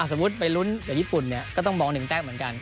สมมุติไปลุ้นกับญี่ปุ่นเนี่ยก็ต้องมอง๑แต้มเหมือนกัน